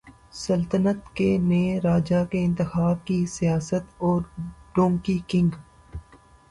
سلطنت کے نئے راجا کے انتخاب کی سیاست اور ڈونکی کنگ